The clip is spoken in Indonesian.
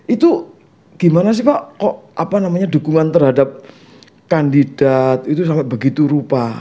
itu gimana sih pak kok apa namanya dukungan terhadap kandidat itu sangat begitu rupa